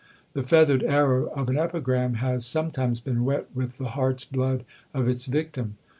The feathered arrow of an epigram has sometimes been wet with the heart's blood of its victim.